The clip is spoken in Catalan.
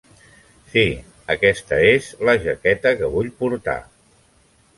Sí, aquesta ÉS la jaqueta que vull portar.